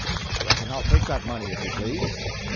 I reckon I'll take that money, if you please."